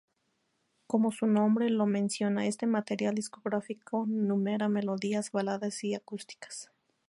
Como su nombre lo menciona, este material discográfico numera melodías baladas y acústicas.